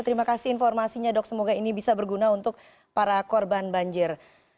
terima kasih informasinya dok semoga ini bisa berguna untuk para korban banjir